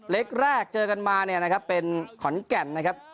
เล็กแรกเจอกันมาเนี่ยนะครับเป็นขอนแก่นนะครับ